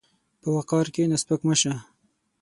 په وقار کښېنه، سپک مه شه.